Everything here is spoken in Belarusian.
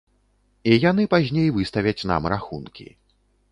І яны пазней выставяць нам рахункі.